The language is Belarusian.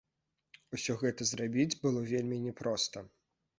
Усё гэта зрабіць было вельмі не проста.